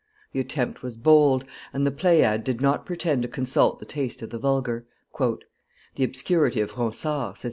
The attempt was bold, and the Pleiad did not pretend to consult the taste of the vulgar. "The obscurity of Ronsard," says M.